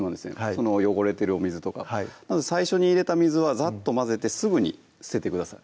その汚れてるお水とかをなので最初に入れた水はざっと混ぜてすぐに捨ててください